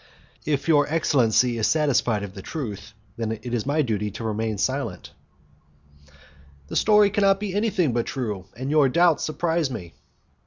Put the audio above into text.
"If your excellency is satisfied of the truth of the story, my duty is to remain silent." "The story cannot be anything but true, and your doubts surprise me."